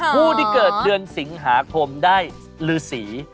ผู้ที่เกิดเดือนสิงหาคมได้ลือสี